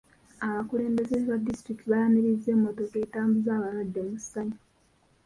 Abakulembeze ba disitulikiti baayanirizza emmotoka etambuza abalwadde mu ssanyu.